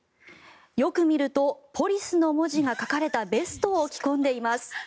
よく見ると「ポリス」の文字が書かれたベストを着込んでいます。